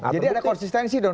jadi ada konsistensi dong